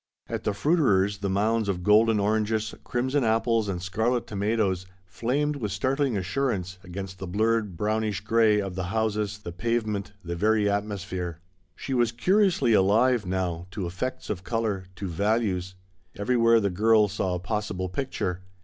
At the fruiterers' the mounds of golden oranges, crimson apples, and scarlet tomatoes flamed with startling assurance against the blurred, brownish grey of the houses, the pavement, the very atmosphere. She was curiously alive, now, to effects of colour, to "values"; everywhere the girl saw a possi ble picture.